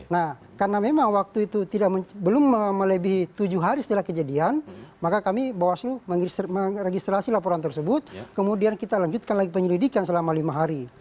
nah karena memang waktu itu belum melebihi tujuh hari setelah kejadian maka kami bawaslu meregistrasi laporan tersebut kemudian kita lanjutkan lagi penyelidikan selama lima hari